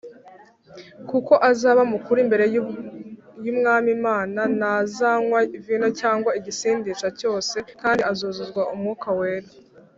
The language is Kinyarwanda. , kuko azaba mukuru imbere y’Umwami Imana. Ntazanywa vino cyangwa igisindisha cyose, kandi azuzuzwa Umwuka Wera